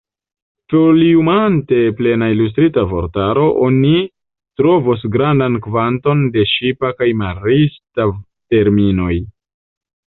Foliumante Plena Ilustrita Vortaro, oni trovos grandan kvanton de ŝipa kaj marista terminoj.